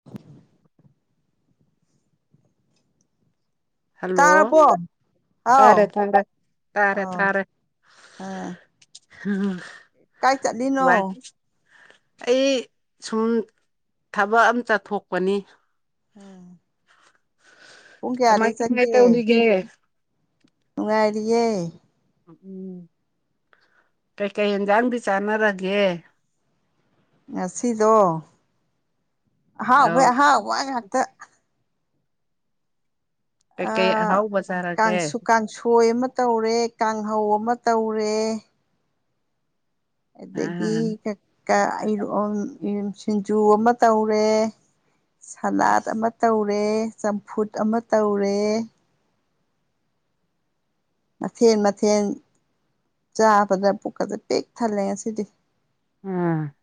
[unintelligible] Hello ꯇꯥꯔꯕꯣ ꯍꯥꯎ ꯇꯥꯔꯦ ꯊꯥꯔꯦ ꯇꯥꯔꯦ ꯑꯣ ꯇꯥꯔꯦ [inaudible] [inaudible] ꯑꯥ ꯀꯥꯏ ꯆꯠꯂꯤꯅꯣ ꯑꯩ ꯁꯨꯝ ꯊꯕꯛ ꯑꯃ ꯆꯠꯊꯣꯛꯄꯅꯤ ꯎꯝ ꯀꯃꯥꯏ ꯀꯥꯏ ꯆꯠꯀꯦ ꯇꯧꯔꯤꯒꯦ ꯅꯨꯡꯉꯥꯏꯔꯤꯌꯦ ꯎꯝ ꯀꯩꯀꯩ ꯌꯦꯟꯖꯥꯡꯗꯤ ꯆꯥꯟꯅꯔꯒꯦ ꯉꯁꯤꯗꯣ ꯑꯧ ꯑꯍꯥꯎꯕꯩ ꯑꯍꯥꯎꯕ ꯉꯥꯛꯇ ꯀꯩꯀꯩ ꯑꯍꯥꯎꯕ ꯆꯥꯔꯒꯦ ꯀꯥꯡ ꯀꯥꯡꯁꯣꯏ ꯑꯃ ꯇꯧꯔꯦ ꯀꯥꯡꯍꯧ ꯑꯃ ꯇꯧꯔꯦ ꯑꯗꯒꯤ ꯑꯥ ꯁꯤꯡꯖꯨ ꯑꯃ ꯇꯧꯔꯦ ꯁꯂꯥꯗ ꯑꯃ ꯇꯧꯔꯦ ꯆꯝꯐꯨꯠ ꯑꯃ ꯇꯧꯔꯦ ꯃꯊꯦꯜ ꯃꯊꯦꯜ ꯆꯥꯕꯗ ꯄꯨꯛꯀꯁꯦ ꯄꯤꯛ ꯊꯜꯂꯦ ꯉꯁꯤꯗꯤ ꯎꯝ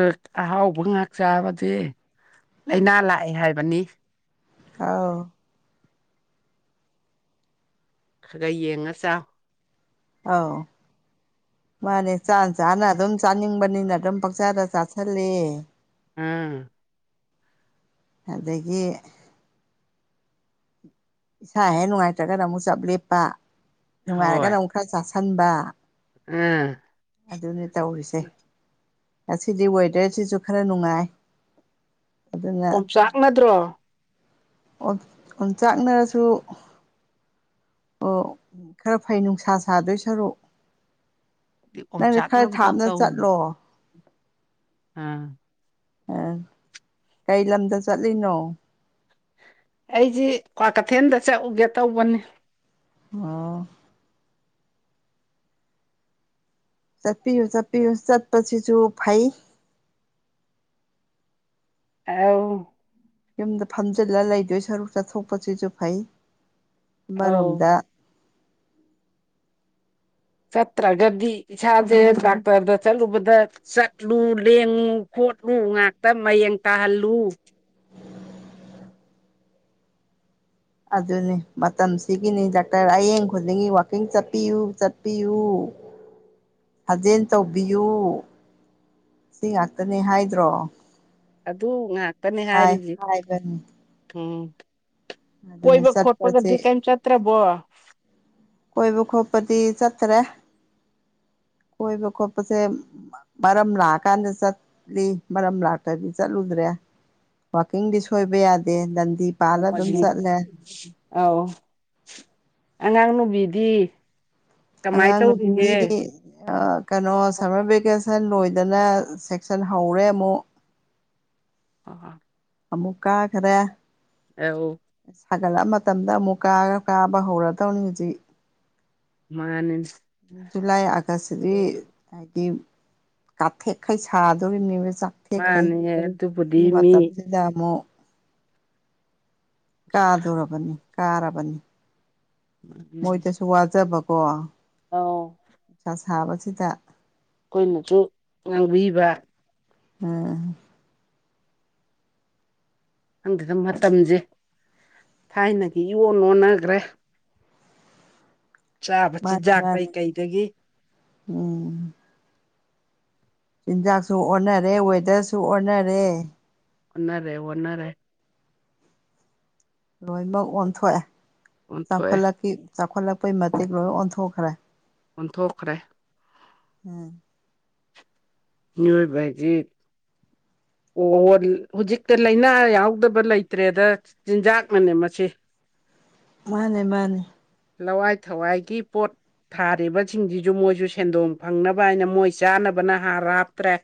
ꯑ ꯑꯍꯥꯎꯕ ꯉꯍꯥꯛ ꯆꯥꯕꯗꯤ ꯂꯥꯏꯅꯥ ꯂꯥꯛꯑꯦ ꯍꯥꯏꯕꯅꯤ ꯑꯧ ꯈꯔ ꯈꯔ ꯌꯦꯡꯉ ꯆꯥꯎ ꯑꯥꯎ ꯃꯥꯅꯦ ꯆꯥ ꯆꯥꯅ ꯑꯗꯨꯝ ꯆꯥꯅꯤꯡꯕꯅꯤꯅ ꯑꯗꯨꯝ ꯄꯪꯆꯥꯗ ꯆꯥꯥꯁꯜꯂꯦ ꯎꯝ ꯑꯗꯒꯤ ꯏꯁꯥ ꯍꯦꯛ ꯅꯨꯡꯉꯥꯏꯇ꯭ꯔꯒꯅ ꯑꯃꯨꯛ ꯆꯞ ꯂꯦꯞꯄ ꯍꯣꯏ ꯅꯨꯡꯉꯥꯏꯔꯒꯅ ꯑꯃꯨꯛ ꯈꯔ ꯆꯥꯁꯟꯕ ꯎꯝ ꯑꯗꯨꯅꯤ ꯇꯧꯔꯤꯁꯦ ꯉꯁꯤꯗꯤ ꯋꯦꯗꯔꯁꯤꯁꯨ ꯈꯔ ꯅꯨꯡꯉꯥꯏ ꯑꯗꯨꯅ ꯑꯣꯝꯆꯥꯛꯅꯗ꯭ꯔꯣ ꯑꯣꯝꯆꯥꯛꯅꯔꯁꯨ ꯑꯣ ꯈꯔ ꯐꯩ ꯅꯨꯡꯁꯥ ꯁꯥꯗꯣꯏ ꯁꯔꯨꯛ ꯅꯪꯗꯤ ꯈꯔ ꯑꯣꯝꯆꯥꯛꯅꯕꯗꯧ ꯊꯥꯞꯅ ꯆꯠꯂꯣ ꯑꯥꯝ ꯀꯩ ꯂꯝꯗ ꯆꯠꯂꯤꯅꯣ ꯑꯩꯁꯤ ꯀ꯭ꯋꯥꯀꯩꯊꯦꯜꯗ ꯆꯠꯂꯨꯒꯦ ꯇꯧꯕꯅꯤ ꯑꯣ ꯆꯠꯄꯤꯌꯨ ꯆꯠꯄꯤꯌꯨ ꯆꯠꯄꯁꯤꯁꯨ ꯐꯩ ꯑꯥꯎ ꯌꯨꯝꯗ ꯐꯝꯖꯜꯂ ꯂꯩꯗꯣꯏ ꯁꯔꯨꯛ ꯆꯠꯊꯣꯛꯄꯁꯤꯁꯨ ꯐꯩ ꯑꯧ ꯑꯃꯔꯣꯝꯗ꯫ ꯆꯠꯇ꯭ꯔꯒꯗꯤ ꯏꯁꯥꯁꯦ ꯗꯥꯛꯇꯔꯗ ꯆꯠꯂꯨꯕꯗ ꯆꯠꯂꯨ ꯂꯦꯡꯉꯨ ꯈꯣꯠꯂꯨ ꯉꯥꯛꯇ ꯃꯌꯦꯡ ꯇꯥꯍꯜꯂꯨ ꯑꯗꯨꯅꯤ ꯃꯇꯝꯁꯤꯒꯤꯅꯤ ꯗꯥꯛꯇꯔ ꯑꯌꯦꯡ ꯈꯨꯗꯤꯡꯒꯤ ꯋꯥꯛꯀꯤꯡ ꯆꯠꯄꯤꯌꯨ ꯆꯠꯄꯤꯌꯨ꯫ ꯎꯝ ꯁꯥꯖꯦꯜ ꯇꯧꯕꯤꯌꯨ ꯁꯤ ꯉꯥꯛꯇꯅꯦ ꯍꯥꯏꯗ꯭ꯔꯣ꯫ ꯑꯗꯨ ꯉꯥꯛꯇꯅꯦ ꯍꯥꯏ ꯍꯥꯏꯔꯤꯖꯤ ꯍꯥꯏꯕꯅꯤ ꯎꯝ꯫ ꯑꯗꯨꯅ ꯀꯣꯏꯕ ꯈꯣꯠꯄꯒꯗꯤ ꯆꯠꯄꯁꯦ ꯀꯩꯝ ꯆꯠꯇ꯭ꯔꯕꯣ꯫ ꯀꯣꯏꯕ ꯈꯣꯠꯄꯗꯤ ꯆꯠꯇꯔꯦ ꯀꯣꯏꯕ ꯈꯣꯠꯄꯁꯦ ꯃꯔꯝ ꯂꯥꯛꯑꯀꯥꯟꯗ ꯆꯠꯂꯤ ꯃꯔꯝ ꯂꯥꯛꯇ꯭ꯔꯗꯤ ꯆꯠꯂꯨꯗ꯭ꯔꯦ꯫ ꯋꯥꯀꯤꯡꯗꯤ ꯁꯣꯏꯕ ꯌꯥꯗꯦ ꯗꯟꯗꯤ ꯄꯥꯜꯂ ꯑꯗꯨꯝ ꯆꯠꯂꯦ ꯑꯥꯎ ꯑꯉꯥꯡ ꯅꯨꯨꯕꯤꯗꯤ ꯀꯃꯥꯏ ꯇꯧꯔꯤꯒꯦ ꯑ ꯀꯩꯅꯣ ꯁꯝꯃꯔ ꯚꯦꯀꯦꯁꯟ ꯂꯣꯏꯗꯅ ꯁꯦꯛꯁꯟ ꯍꯧꯔꯦ ꯑꯃꯨꯛ꯫ ꯑꯣ ꯑꯃꯨꯛ ꯀꯥꯈꯔꯦ ꯑꯦꯍꯣ ꯁꯥꯒꯠꯂꯛꯑ ꯃꯇꯝꯗ ꯑꯃꯨꯛ ꯀꯥꯔ ꯀꯥꯕ ꯍꯧꯔꯗꯧꯅꯤ ꯍꯧꯖꯤꯛ꯫ ꯃꯥꯅꯤ ꯖꯨꯂꯥꯏ ꯑꯒꯁꯁꯤꯗꯤ ꯍꯥꯏꯗꯤ ꯀꯥꯊꯦꯛꯈꯩ ꯁꯥꯗꯨꯏꯔꯤꯕꯅꯦꯕ ꯆꯥꯛ ꯇꯦꯛꯈꯩ ꯃꯥꯅꯦ ꯁꯤ ꯑꯗꯨꯕꯨꯗꯤ ꯃꯤ ꯃꯇꯝꯁꯤꯗ ꯑꯃꯨꯛ ꯀꯥꯗꯧꯔꯕꯅꯤ ꯀꯥꯔꯕꯅꯤ ꯃꯣꯏꯗꯁꯨ ꯋꯥꯖꯕꯀꯣ ꯑꯧ ꯅꯨꯡꯁꯥ ꯁꯥꯕꯁꯤꯗ ꯑꯈꯣꯏꯅꯖꯨ ꯉꯥꯡꯕꯤꯕ ꯎꯝ ꯈꯪꯗꯦꯗ ꯃꯇꯝꯁꯦ ꯊꯥꯏꯅꯒ ꯏꯌꯣꯟ ꯑꯣꯟꯅꯒ꯭ꯔꯦ꯫ ꯆꯥꯕ ꯃꯥꯅꯤ ꯆꯤꯟꯖꯥꯛ ꯇꯩ ꯃꯥꯅꯤ ꯀꯩꯗꯒꯤ ꯎꯝ ꯆꯤꯟꯖꯥꯛꯁꯨ ꯑꯣꯟꯅꯔꯦ ꯋꯦꯗꯔꯁꯨ ꯑꯣꯟꯅꯔꯦ꯫ ꯑꯣꯟꯅꯔꯦ ꯑꯣꯟꯅꯔꯦ ꯂꯣꯏꯃꯛ ꯑꯣꯟꯊꯣꯛꯑꯦ ꯑꯣꯟꯊꯣꯛꯑꯦ ꯆꯥꯎꯈꯠꯂꯛꯀꯤꯞ ꯆꯥꯎꯈꯠꯂꯛꯄꯩ ꯃꯇꯤꯛ ꯂꯣꯏ ꯑꯣꯟꯊꯣꯛꯈ꯭ꯔꯦ꯫ ꯑꯣꯟꯊꯣꯛꯈ꯭ꯔꯦ ꯎꯝ ꯃꯤꯑꯣꯏꯕꯖꯤ ꯑꯣ ꯍꯧꯖꯤꯛꯇ ꯂꯥꯏꯅꯥ ꯌꯥꯎꯗꯕ ꯂꯩꯇ꯭ꯔꯦꯗ ꯆꯤꯟꯖꯥꯛꯅꯅꯦ ꯃꯁꯤ꯫ ꯎꯝ ꯃꯥꯅꯦ ꯃꯥꯅꯦ ꯂꯋꯥꯏ ꯊꯋꯥꯏꯒꯤ ꯄꯣꯠ ꯊꯥꯔꯤꯕꯁꯤꯡꯁꯤꯁꯨ ꯃꯣꯏꯁꯨ ꯁꯦꯟꯗꯣꯡ ꯐꯪꯅꯕ ꯍꯥꯏꯅ ꯃꯣꯏ ꯆꯥꯅꯕꯅ ꯍꯥꯔ ꯍꯥꯞꯇ꯭ꯔꯦ꯫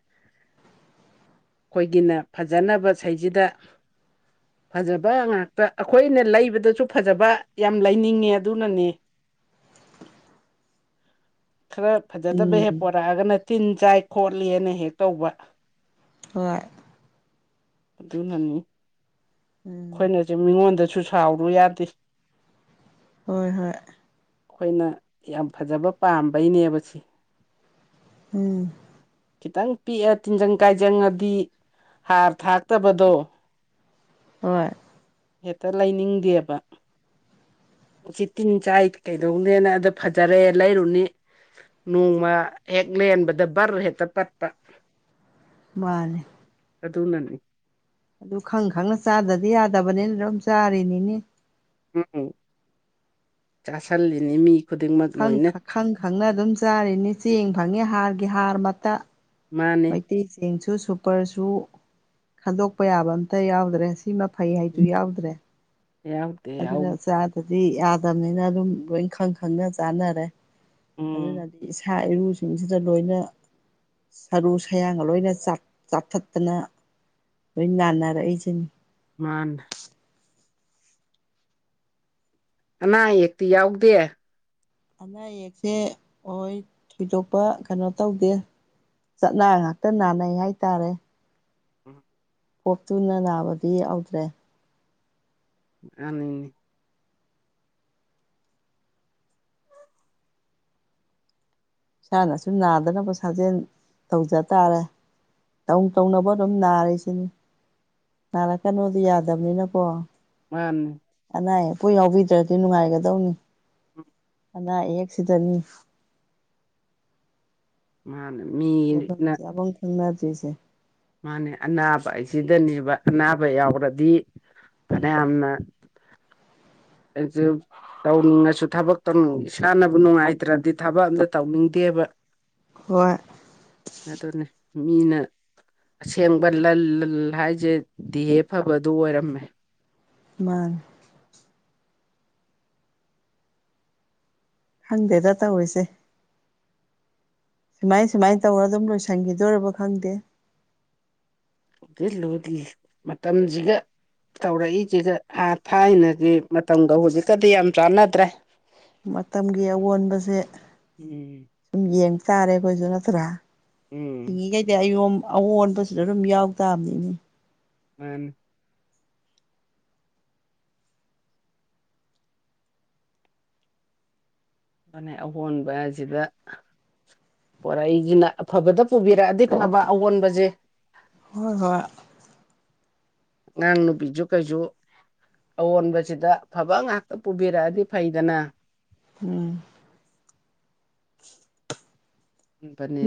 ꯈꯣꯏꯒꯤꯅ ꯐꯖꯅꯕ ꯁꯩꯖꯤꯗ ꯐꯖꯕ ꯉꯥꯛꯇ ꯑꯈꯣꯏꯅ ꯂꯩꯕꯗꯁꯨ ꯐꯖꯕ ꯌꯥꯝ ꯂꯩꯅꯤꯡꯉꯦ ꯑꯗꯨꯅꯅꯦ꯫ ꯈꯔ ꯐꯖꯗꯕ ꯎꯝ ꯍꯦꯛ ꯄꯣꯔꯛꯑꯒꯅ ꯇꯤꯟ ꯆꯥꯏ ꯈꯣꯠꯂꯤꯅ ꯍꯦꯛ ꯇꯧꯕ ꯍꯣꯏ ꯑꯗꯨꯅꯅꯤ ꯎꯝ ꯑꯈꯣꯏꯅꯖꯨ ꯃꯤꯉꯣꯟꯗꯁꯨ ꯁꯥꯎꯔꯨ ꯌꯥꯗꯦ꯫ ꯍꯣꯏ ꯍꯣꯏ ꯑꯈꯣꯏꯅ ꯌꯥꯝ ꯐꯖꯕ ꯄꯥꯝꯕꯩꯅꯦꯕ ꯁꯤ ꯎꯝ ꯈꯤꯇꯪ ꯄꯤꯛꯑ ꯇꯤꯟꯖꯪ ꯀꯥꯏꯖꯪꯉꯗꯤ ꯍꯥꯔ ꯊꯥꯛꯇꯕꯗꯣ ꯍꯣꯏ ꯍꯦꯛꯇ ꯂꯩꯅꯤꯡꯗꯦꯕ ꯎꯆꯤ ꯇꯤꯟ ꯆꯥꯏ ꯀꯩꯗꯧꯅꯦꯅ ꯑꯗ ꯐꯖꯔꯦ ꯂꯩꯔꯨꯅꯤ ꯅꯣꯡꯃ ꯍꯦꯛ ꯂꯦꯟꯕꯗ ꯕꯔ ꯍꯦꯛꯇ ꯄꯠꯄ ꯃꯥꯅꯦ ꯑꯗꯨꯅꯅꯤ ꯑꯗꯨ ꯈꯪ ꯈꯪꯅ ꯆꯥꯗꯗꯤ ꯌꯥꯗꯕꯅꯤꯅ ꯑꯗꯨꯝ ꯆꯥꯔꯤꯅꯤꯅꯦ ꯎꯝ ꯆꯥꯁꯜꯂꯤꯅꯤ ꯃꯤ ꯈꯨꯗꯤꯡꯃꯛ ꯈꯪ ꯂꯣꯏꯅ ꯈꯪ ꯈꯪꯅ ꯑꯗꯨꯝ ꯆꯥꯔꯤꯅꯤ ꯆꯦꯡ ꯐꯪꯉꯤ ꯍꯥꯔꯒꯤ ꯍꯥꯔꯃꯛꯇ ꯃꯥꯅꯦ ꯃꯩꯇꯩ ꯆꯦꯡꯁꯨ ꯁꯨꯄꯔꯁꯨ ꯈꯟꯗꯣꯛꯄ ꯌꯥꯕ ꯑꯝꯇ ꯌꯥꯎꯗ꯭ꯔꯦ ꯁꯤꯃ ꯐꯩ ꯍꯥꯏꯗꯨ ꯌꯥꯎꯗ꯭ꯔꯦ [unintelligible] ꯑꯗꯨꯅ ꯆꯥꯗꯗꯤ ꯌꯥꯗꯕꯅꯤꯅ ꯑꯗꯨꯝ ꯂꯣꯏ ꯈꯪ ꯈꯪꯅ ꯆꯥꯅꯔꯦ ꯎꯝ ꯑꯗꯨꯅꯗꯤ ꯏꯁꯥ ꯏꯔꯨꯁꯤꯡꯁꯤꯗ ꯂꯣꯏꯅ ꯁꯔꯨ ꯁꯌꯥꯡꯒ ꯂꯣꯏꯅ ꯆꯥꯊꯠꯇꯅ ꯂꯣꯏ ꯅꯥꯟꯅꯔꯛꯏꯁꯦ ꯃꯥꯅꯦ ꯑꯅꯥ ꯑꯌꯦꯛꯇꯤ ꯌꯥꯎꯗꯦ ꯑꯅꯥ ꯑꯌꯦꯛꯁꯦ ꯍꯣꯏ ꯊꯣꯏꯗꯣꯛꯄ ꯀꯩꯅꯣ ꯇꯧꯗꯦ ꯆꯠꯅ ꯉꯥꯛꯇ ꯅꯥꯅꯩ ꯍꯥꯏꯇꯥꯔꯦ ꯎꯝ [unintelligible] ꯄꯣꯞ ꯇꯨꯅ ꯅꯥꯕꯗꯤ ꯌꯥꯎꯗ꯭ꯔꯦ [unintelligible] ꯏꯁꯥꯅꯁꯨ ꯅꯥꯗꯅꯕ ꯁꯥꯖꯦꯜ ꯇꯧꯖ ꯇꯥꯔꯦ ꯇꯧ ꯇꯧꯅꯕꯨ ꯑꯗꯨꯝ ꯅꯥꯔꯤꯁꯤꯅꯤ ꯅꯥꯔꯛꯀꯅꯣꯗꯤ ꯌꯥꯗꯕꯅꯤꯅꯀꯣ ꯃꯥꯅꯤ ꯑꯅꯥ ꯑꯌꯦꯛꯄꯨ ꯌꯥꯎꯕꯤꯗ꯭ꯔꯗꯤ ꯅꯨꯡꯉꯥꯏꯒꯗꯧꯅꯤ ꯑꯅꯥ ꯑꯌꯦꯛꯁꯤꯗꯅꯤ ꯃꯥꯅ ꯃꯤ ꯂꯩꯐꯝ ꯆꯥꯕꯝ ꯈꯪꯅꯗ꯭ꯔꯤꯁꯦ ꯃꯥꯅꯦ ꯑꯅꯥꯕ ꯍꯥꯏꯁꯤꯗꯅꯦꯕ ꯑꯅꯥꯕ ꯌꯥꯎꯔꯗꯤ ꯐꯅꯌꯥꯝꯅ [unintelligible] ꯇꯧꯅꯤꯡꯉꯁꯨ ꯊꯕꯛꯇ ꯏꯁꯥꯅꯕꯨ ꯅꯨꯡꯉꯥꯏꯇ꯭ꯔꯗꯤ ꯊꯕꯛ ꯑꯃꯇ ꯇꯧꯅꯤꯡꯗꯦꯕ ꯍꯣꯏ ꯑꯗꯨꯅꯦ ꯃꯤꯅ ꯑꯁꯦꯡꯕ ꯂꯜ ꯂꯜ ꯍꯥꯏꯁꯦ ꯗꯤꯍꯦ ꯐꯕꯗꯨ ꯑꯣꯏꯔꯝꯃꯦ ꯃꯥꯅꯦ ꯈꯪꯗꯦꯗ ꯇꯧꯔꯤꯁꯦ ꯁꯨꯃꯥꯏ ꯁꯨꯃꯥꯏ ꯇꯧꯔ ꯑꯗꯨꯝ ꯂꯣꯏꯁꯤꯟꯈꯤꯗꯣꯔꯕ ꯈꯪꯗꯦ ꯂꯨꯗꯤ ꯂꯨꯔꯤ ꯃꯇꯝꯁꯤꯒ ꯇꯧꯔꯛꯏꯁꯤꯒ ꯑ ꯊꯥꯏꯅꯒꯤ ꯃꯇꯝꯒ ꯍꯧꯖꯤꯛꯀꯗꯤ ꯌꯥꯝ ꯆꯥꯟꯅꯗ꯭ꯔꯦ ꯃꯇꯝꯒꯤ ꯑꯑꯣꯟꯕꯁꯦ ꯎꯝ ꯌꯦꯡ ꯇꯥꯔꯦ ꯑꯩꯈꯣꯏꯁꯨ ꯅꯠꯇ꯭ꯔꯥ ꯎꯝ ꯍꯤꯡꯉꯤꯈꯩꯗꯤ ꯑꯌꯣꯝ ꯑꯑꯣꯟꯕꯁꯤꯗ ꯑꯗꯨꯝ ꯌꯥꯎ ꯇꯥꯕꯅꯤꯅꯦ ꯃꯥꯅꯦ ꯃꯥꯅꯦ ꯑꯍꯣꯟꯕ ꯑꯁꯤꯗ ꯄꯣꯔꯛꯏꯖꯤꯅ ꯑꯐꯕꯗ ꯄꯨꯕꯤꯔꯛꯑꯗꯤ ꯐꯕ ꯑꯑꯣꯟꯕꯁꯦ ꯍꯣꯏ ꯍꯣꯏ ꯉꯥꯡ ꯅꯨꯄꯤꯖꯨ ꯀꯩꯖꯨ ꯑꯑꯣꯟꯕꯁꯤꯗ ꯑꯐꯕ ꯉꯥꯛꯇ ꯄꯨꯕꯤꯔꯛꯑꯗꯤ ꯐꯩꯗꯅ ꯎꯝ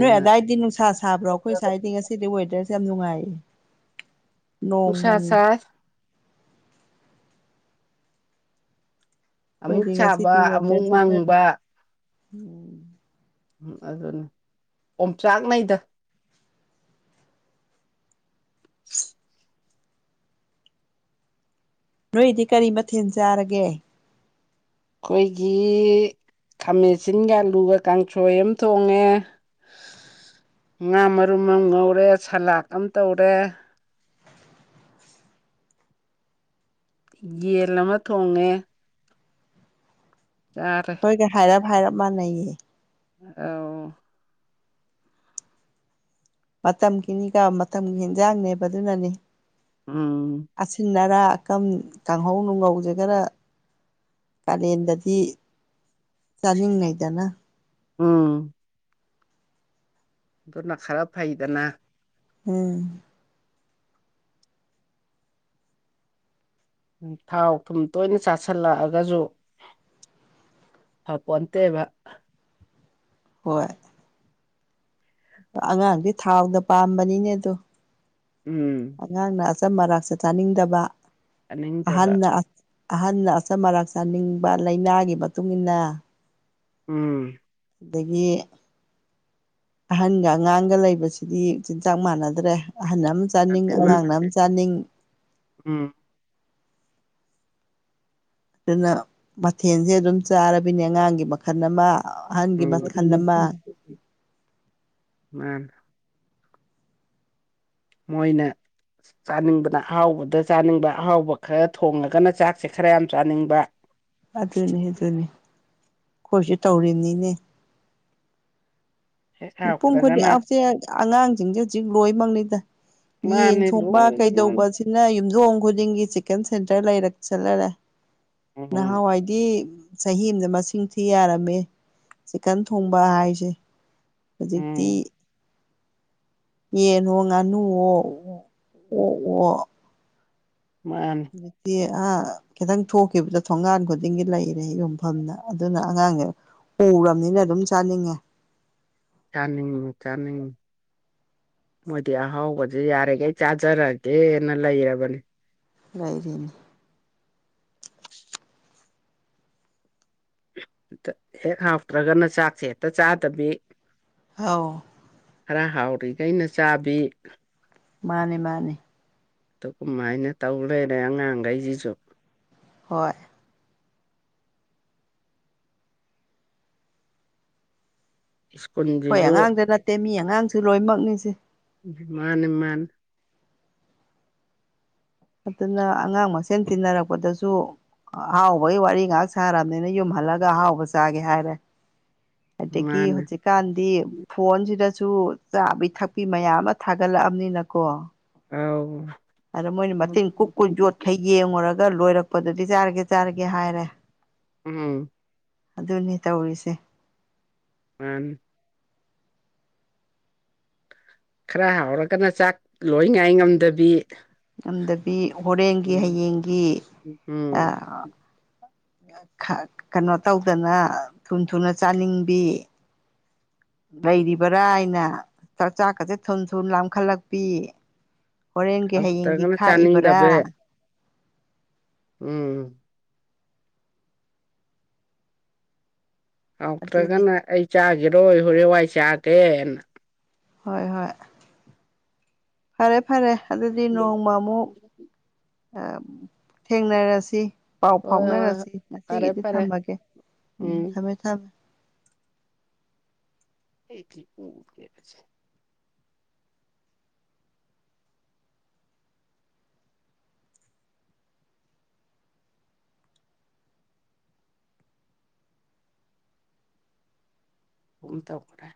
ꯅꯣꯏ ꯑꯗꯥꯏꯗꯤ ꯅꯨꯡꯁꯥ ꯁꯥꯕ꯭ꯔꯣ ꯑꯩꯈꯣꯏ ꯁꯥꯏꯗꯤ ꯉꯁꯤꯗꯤ ꯋꯦꯗꯔꯁꯦ ꯌꯥꯝ ꯅꯨꯡꯉꯥꯏꯌꯦ ꯅꯣꯡ ꯅꯨꯡꯁꯥ ꯃꯪꯉꯤ ꯁꯥꯏ ꯑꯃꯨꯛ ꯈꯣꯏꯗꯤ ꯁꯥꯕ ꯉꯁꯤꯗꯤ ꯑꯃꯨꯛ ꯋꯦꯗꯔꯖꯦ ꯈꯔ ꯃꯪꯕ ꯅꯨꯡꯉꯥꯏ ꯎꯝ ꯎꯝ ꯑꯗꯨꯅꯦ ꯑꯣꯝꯆꯥꯛꯅꯩꯗ [inaudible] ꯅꯣꯏꯗꯤ ꯀꯔꯤ ꯃꯊꯦꯜ ꯆꯥꯔꯒꯦ ꯈꯣꯏꯒꯤ ꯈꯥꯃꯦꯟ ꯁꯤꯟꯒ ꯑꯜꯂꯨꯒ ꯀꯥꯡꯁꯣꯏ ꯑꯝ ꯊꯣꯡꯉꯦ ꯉꯥ ꯃꯔꯨꯝ ꯑꯝ ꯉꯧꯔꯦ ꯁꯂꯥꯠ ꯑꯝ ꯇꯧꯔꯦ ꯌꯦꯟ ꯑꯃ ꯊꯣꯡꯉꯦ ꯆꯥꯔꯦ ꯑꯩꯈꯣꯏꯒ ꯍꯥꯏꯔꯞ ꯍꯥꯏꯔꯞ ꯃꯥꯟꯅꯩꯌꯦ ꯑꯧ ꯃꯇꯝꯒꯤꯅꯤꯒ ꯃꯇꯝꯒꯤ ꯏꯟꯖꯥꯡꯅꯦꯕ ꯑꯗꯨꯅꯅꯤ ꯎꯝ ꯑꯁꯤꯟ ꯑꯔꯥꯛ ꯑꯀꯝ ꯀꯥꯡꯍꯧ ꯅꯨꯡꯉꯧꯁꯦ ꯈꯔ ꯀꯥꯂꯦꯟꯗꯗꯤ ꯆꯥꯅꯤꯡꯅꯩꯗꯅ ꯎꯝ ꯑꯗꯨꯅ ꯈꯔ ꯐꯩꯗꯅꯥ ꯎꯝ ꯎꯝ ꯊꯥꯎ ꯊꯨꯝ ꯇꯣꯏꯅ ꯆꯥꯁꯤꯜꯂꯛꯑꯒꯖꯨ ꯐꯄꯣꯟꯇꯦꯕ ꯍꯣꯏ ꯑꯉꯥꯡꯗꯤ ꯊꯥꯎꯗ ꯄꯥꯝꯕꯅꯤꯅꯦ ꯑꯗꯣ ꯎꯝ ꯑꯉꯥꯡꯅ ꯑꯆꯝ ꯑꯔꯥꯛꯁꯦ ꯆꯥꯅꯤꯡꯗꯕ ꯆꯥꯅꯤꯡꯗꯕ ꯑꯍꯟꯅ ꯑꯍꯟꯅ ꯑꯆꯝ ꯑꯔꯥꯛ ꯆꯥꯅꯤꯡꯕ ꯂꯩꯅꯥꯒꯤ ꯃꯇꯨꯡ ꯏꯟꯅ ꯎꯝ ꯑꯗꯒꯤ ꯑꯍꯟꯒ ꯑꯉꯥꯡꯒ ꯂꯩꯕꯁꯤꯗꯤ ꯆꯤꯟꯖꯥꯛ ꯃꯥꯟꯅꯗ꯭ꯔꯦ ꯑꯍꯟ ꯑꯝ ꯆꯥꯅꯤꯡ ꯃꯥ ꯑꯉꯥꯡꯅ ꯑꯝ ꯅꯠꯇꯦ ꯆꯥꯅꯤꯡ ꯎꯝ ꯑꯗꯨꯅ ꯃꯊꯦꯜꯁꯦ ꯑꯗꯨꯝ ꯆꯥꯔꯕꯤꯅꯦ ꯑꯉꯥꯡꯒꯤ ꯃꯈꯜ ꯑꯃ ꯑ ꯑꯍꯟꯒꯤ ꯃꯈꯟ ꯎꯝ ꯑꯃ ꯃꯥꯟꯅ ꯃꯣꯏꯅ ꯆꯥꯅꯤꯡꯕꯅ ꯑꯍꯥꯎꯕꯗ ꯆꯥꯅꯤꯡꯕ ꯑꯍꯥꯎꯕ ꯈꯔ ꯊꯣꯡꯉꯒꯅ ꯆꯥꯛꯁꯦ ꯈꯔ ꯌꯥꯝ ꯆꯥꯅꯤꯡꯕ ꯑꯗꯨꯅꯤ ꯑꯗꯨꯅꯤ ꯑꯈꯣꯏꯁꯨ ꯇꯧꯔꯤꯅꯤꯅꯦ ꯍꯦꯛ ꯃꯤꯄꯨꯝ ꯈꯨꯗꯤꯡ ꯍꯥꯎꯇ꯭ꯔꯒꯅ ꯑꯁꯦ ꯑꯉꯥꯡꯖꯤꯡꯖꯦ ꯍꯧꯖꯤꯛ ꯂꯣꯏꯃꯛꯅꯤꯗ ꯌꯦꯟ ꯃꯥꯅꯤ ꯊꯣꯡꯕ ꯂꯣꯏꯅ ꯃꯥꯅꯤ ꯀꯩꯗꯧꯕꯁꯦ ꯁꯤꯅ ꯌꯨꯝꯊꯣꯡ ꯈꯨꯗꯤꯡꯒꯤ ꯆꯤꯀꯟ ꯁꯦꯟꯇꯔ ꯂꯩꯔꯛꯁꯜꯂꯔꯦ ꯎꯝ ꯅꯍꯥꯋꯥꯏ ꯗꯤ ꯆꯍꯤ ꯑꯝꯗ ꯃꯁꯤꯡ ꯊꯤ ꯌꯥꯔꯝꯃꯦ ꯆꯤꯀꯟ ꯊꯣꯡꯕ ꯍꯥꯏꯁꯦ ꯍꯧꯖꯤꯛꯇꯤ ꯎꯝ ꯌꯦꯟꯋꯣ ꯉꯥꯅꯨꯋꯣ ꯑꯣꯛꯋꯣ ꯃꯥꯟꯅꯦ ꯍꯧꯖꯤꯛꯇꯤ ꯑꯥ ꯈꯤꯇꯪ ꯊꯣꯛꯈꯤꯕꯗ ꯊꯣꯡꯒꯥꯟ ꯈꯨꯗꯤꯡꯒꯤ ꯂꯩꯔꯦ ꯌꯣꯟꯐꯝꯅ ꯑꯗꯨꯅ ꯑꯉꯥꯡꯖꯦ ꯎꯔꯕꯅꯤꯅ ꯑꯗꯨꯝ ꯆꯥꯅꯤꯡꯉꯦ ꯆꯅꯤꯡ ꯆꯅꯤꯡ ꯃꯣꯏꯗꯤ ꯑꯍꯥꯎꯕꯁꯦ ꯌꯥꯔꯤꯈꯩ ꯆꯥꯖꯔꯒꯦꯅ ꯂꯩꯔꯕꯅꯤ ꯂꯩꯥꯏꯔꯤꯅꯤ ꯍꯦꯛ ꯍꯥꯞꯇ꯭ꯔꯒꯅ ꯆꯥꯛꯁꯦ ꯍꯦꯛꯇ ꯆꯥꯗꯕꯤ ꯑꯥꯎ ꯈꯔ ꯍꯥꯎꯔꯤꯈꯩꯅ ꯆꯥꯕꯤ ꯃꯥꯅꯦ ꯃꯥꯅꯦ ꯑꯗꯨ ꯀꯃꯥꯏꯅ ꯇꯧ ꯂꯩꯣꯏꯔꯦ ꯑꯉꯥꯡꯈꯩꯁꯤꯁꯨ ꯍꯣꯏ ꯏꯁꯀꯣꯟ ꯑꯩꯈꯣꯏ ꯑꯉꯥꯡꯗ ꯅꯠꯇꯦ ꯃꯤ ꯑꯉꯥꯡꯁꯨ ꯂꯣꯏꯅꯃꯛꯅꯤꯁꯦ ꯃꯥꯟ ꯏꯃꯥꯟ ꯑꯗꯨꯅ ꯑꯉꯥꯡ ꯃꯁꯦꯟ ꯇꯤꯟꯅꯔꯛꯄꯗꯁꯨ ꯑꯍꯥꯎꯕꯒꯤ ꯋꯥꯔꯤ ꯉꯥꯏꯍꯥꯛ ꯁꯥꯔꯕꯅꯤꯅ ꯌꯨꯝꯍꯜꯂꯒ ꯑꯍꯥꯎꯕ ꯆꯥꯒꯦ ꯍꯥꯏꯔꯦ [unintelligible] ꯑꯗꯒꯤ ꯍꯧꯖꯤꯛꯀꯥꯟꯗꯤ ꯐꯣꯟꯁꯤꯗꯁꯨ ꯆꯥꯕꯤ ꯊꯛꯄꯤ ꯃꯌꯥꯝ ꯑꯃ ꯊꯥꯒꯠꯂꯛꯑꯕꯅꯤꯅꯀꯣ ꯑꯥꯎ ꯑꯗ ꯃꯣꯏꯅ ꯃꯇꯤꯟ ꯀꯨ ꯀꯨꯏ ꯌꯣꯠꯈꯩ ꯌꯦꯡꯉꯨꯔꯒ ꯂꯣꯏꯔꯛꯄꯗꯗꯤ ꯆꯥꯔꯒꯦ ꯆꯥꯔꯒꯦ ꯍꯥꯏꯔꯦ ꯎꯝ ꯑꯗꯨꯅꯤ ꯇꯧꯔꯤꯁꯦ ꯃꯥꯥꯟ ꯈꯔ ꯍꯥꯎꯔꯒꯅ ꯆꯥꯛ ꯂꯣꯏ ꯉꯥꯏ ꯉꯝꯗꯕꯤ ꯂꯝꯗꯕꯤ ꯍꯣꯔꯦꯟꯒꯤ ꯎꯝ ꯍꯌꯦꯡꯒꯤ ꯎꯝ ꯀꯩꯅꯣ ꯇꯧꯗꯅ ꯊꯨ ꯊꯨꯅ ꯆꯥꯅꯤꯡꯕꯤ ꯂꯩꯔꯤꯕ꯭ꯔꯥ ꯑꯩꯅ ꯆꯥꯛ ꯆꯥꯛꯀꯁꯦ ꯊꯨꯝ ꯊꯨꯝ ꯂꯥꯝꯈꯠꯂꯛꯄꯤ ꯍꯣꯔꯦꯟꯒꯤ ꯍꯌꯦꯡꯒꯤ ꯍꯥꯎꯇ꯭ꯔꯒꯅ ꯈꯥꯛꯏꯕꯔꯥ ꯆꯥꯅꯤꯡꯗꯕ ꯎꯝ ꯑꯗꯨꯅꯤ ꯍꯥꯎꯇ꯭ꯔꯒꯅ ꯑꯩ ꯆꯥꯈꯤꯔꯣꯏ ꯍꯣꯔꯦꯟꯋꯥꯏ ꯆꯥꯒꯦꯅ ꯍꯣꯏ ꯍꯣꯏ ꯐꯔꯦ ꯐꯔꯦ ꯑꯗꯨꯗꯤ ꯅꯣꯡꯃ ꯑꯃꯨꯛ ꯑ ꯊꯦꯡꯅꯔꯁꯤ ꯄꯥꯎ ꯍꯣꯏ ꯍꯣꯏ ꯍꯣꯏ ꯐꯥꯎꯅꯔꯁꯤ ꯐꯔꯦ ꯉꯁꯤꯒꯤꯗꯤ ꯐꯔꯦ ꯊꯝꯃꯒꯦ ꯎꯝ ꯊꯝꯃꯦ ꯊꯝꯃꯦ [unintelligible] ꯑꯗꯨꯝ ꯇꯧꯈ꯭ꯔꯦ